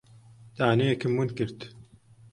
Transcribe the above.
دانەیەکم ون کرد.